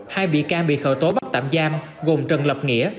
hai bị can bị khởi tố bắt tạm giam gồm trần lập nghĩa